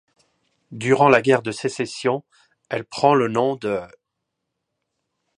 Durant la guerre de Sécession, elle prend le nom de '.